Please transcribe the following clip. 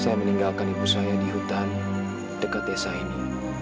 saya meninggalkan ibu saya di hutan dekat desa ini